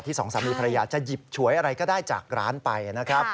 สองสามีภรรยาจะหยิบฉวยอะไรก็ได้จากร้านไปนะครับ